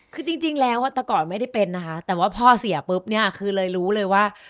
คือจริงแล้วแต่ก่อนไม่ได้เป็นนะคะแต่ว่าพ่อเสียปุ๊บเนี่ยคือเลยรู้เลยว่า